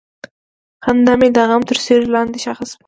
خندا مې د غم تر سیوري لاندې ښخ شوه.